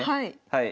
はい。